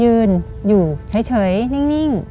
ยืนอยู่เฉยนิ่ง